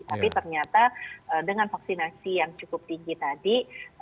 tapi ternyata dengan vaksinasi yang cukup tinggi tadi